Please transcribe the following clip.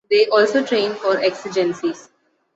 They also train for exigencies.